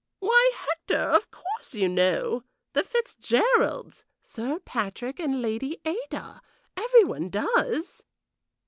"Why, Hector, of course you know! The Fitzgeralds Sir Patrick and Lady Ada. Every one does."